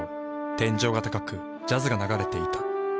天井が高くジャズが流れていた。